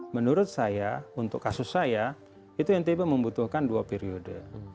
menurut saya untuk kasus saya itu ntb membutuhkan dua periode